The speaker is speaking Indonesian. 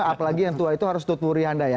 apalagi yang tua itu harus tuturi anda ya